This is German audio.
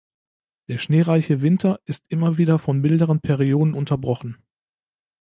Der schneereiche Winter ist immer wieder von milderen Perioden unterbrochen.